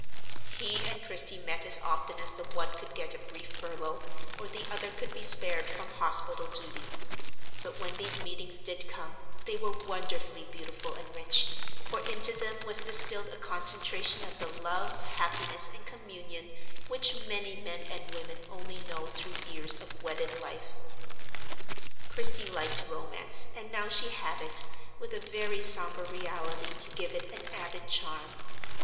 He and Christie met as often as the one could get a brief furlough, or the other be spared from hospital duty; but when these meetings did come, they were wonderfully beautiful and rich, for into them was distilled a concentration of the love, happiness, and communion which many men and women only know through years of wedded life. Christie liked romance, and now she had it, with a very sombre reality to give it an added charm.